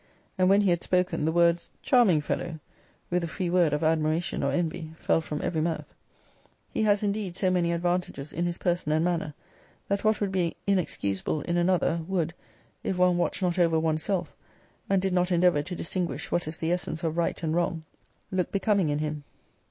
And when he had spoken, the words, Charming fellow! with a free word of admiration or envy, fell from every mouth. He has indeed so many advantages in his person and manner, that what would be inexcusable in another, would, if one watched not over one's self, and did not endeavour to distinguish what is the essence of right and wrong, look becoming in him.